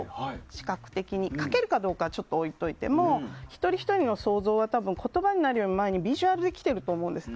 書けるかどうかちょっと置いておいても一人ひとりの想像は言葉になるより前にビジュアルで来ていると思うんです。